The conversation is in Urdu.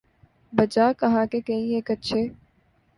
'بجا کہا کہ کئی ایک اچھے